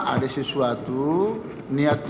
ada sesuatu niatnya